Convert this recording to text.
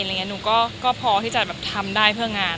หนูก็พอที่จะทำได้เพื่อการงาน